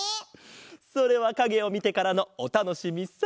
それはかげをみてからのおたのしみさ。